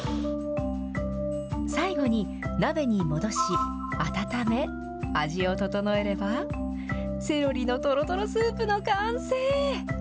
最後に鍋に戻し、温め、味を調えれば、セロリのとろとろスープの完成。